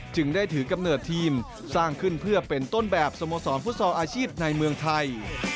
ได้ถือกำเนิดทีมสร้างขึ้นเพื่อเป็นต้นแบบสโมสรฟุตซอลอาชีพในเมืองไทย